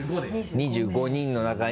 ２５人の中に。